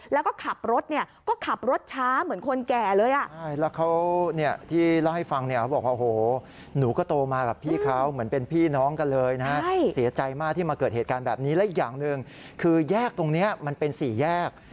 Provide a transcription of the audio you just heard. และอีกอย่างหนึ่งคือแยกตรงนี้มันเป็น๔แยก